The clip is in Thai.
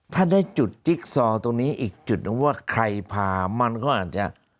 ถ้าได้จุดจิ๊กซอตรงนี้อีกจุดหนึ่งว่าใครพามันก็อาจจะ